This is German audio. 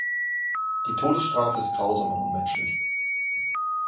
Die Todesstrafe ist grausam und unmenschlich.